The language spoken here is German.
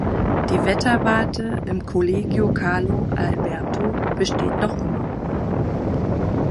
Die Wetterwarte im "Collegio Carlo Alberto" besteht noch immer.